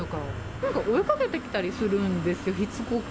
なんか追いかけてきたりするんですよ、しつこく。